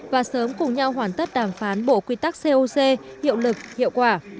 và sớm cùng nhau hoàn tất đàm phán bộ quy tắc coc hiệu lực hiệu quả